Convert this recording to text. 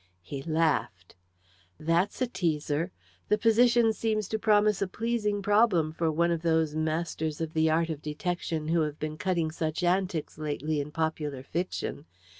He laughed. "That's a teaser. The position seems to promise a pleasing problem for one of those masters of the art of detection who have been cutting such antics lately in popular fiction.